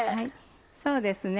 そうですね。